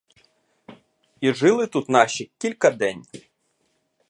І жили тут наші кілька день.